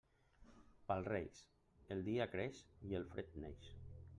Pels Reis, el dia creix i el fred neix.